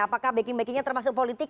apakah backing backingnya termasuk politik